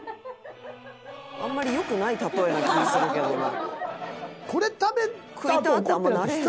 あんまり良くない例えな気ぃするけどな。